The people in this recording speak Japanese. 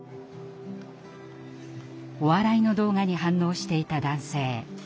お笑いの動画に反応していた男性。